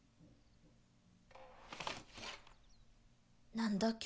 何だっけ？